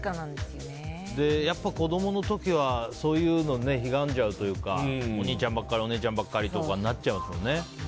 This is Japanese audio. やっぱ子供の時はそういうのひがんじゃうというかお兄ちゃんばっかりとかお姉ちゃんばっかりとかなっちゃうとね。